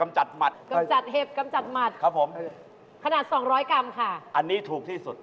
อ้าวแล้ว๓อย่างนี้แบบไหนราคาถูกที่สุด